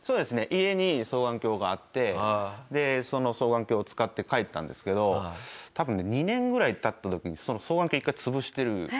家に双眼鏡があってでその双眼鏡を使って描いてたんですけど多分ね２年ぐらい経った時に双眼鏡１回潰してる。